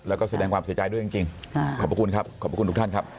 แล้วก็แสดงความเสียใจด้วยจริงขอบพระคุณครับขอบพระคุณทุกท่านครับ